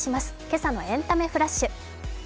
今朝のエンタメフラッシュ。